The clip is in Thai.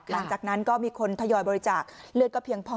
หลังจากนั้นก็มีคนทยอยบริจาคเลือดก็เพียงพอ